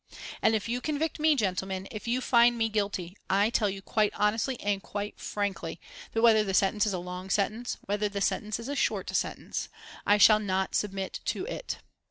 And if you convict me, gentlemen, if you find me guilty, I tell you quite honestly and quite frankly, that whether the sentence is a long sentence, whether the sentence is a short sentence, I shall not submit to it.